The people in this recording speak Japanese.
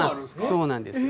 そうなんですよ。